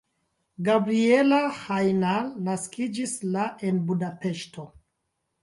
Gabriella Hajnal naskiĝis la en Budapeŝto.